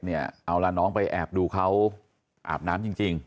เอาล่ะน้องไปแอบดูเขาอาบน้ำจริง